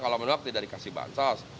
kalau menolak tidak dikasih bantuan sosial